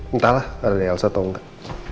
entahlah ada deals atau enggak